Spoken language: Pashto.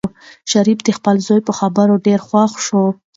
شریف د خپل زوی په خبرو ډېر خوښ شو.